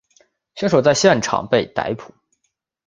凶手在现场被逮捕。